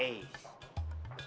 is is lu berdua is